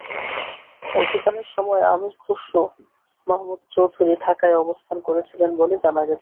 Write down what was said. অভিযানের সময় আমীর খসরু মাহমুদ চৌধুরী ঢাকায় অবস্থান করছিলেন বলে জানা গেছে।